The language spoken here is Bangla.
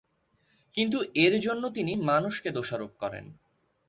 কিন্তু এরজন্য তিনি মানুষকে দোষারোপ করেন।